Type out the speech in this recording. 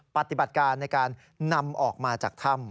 ปฏิบัติการในการนำออกมาจากถ้ำ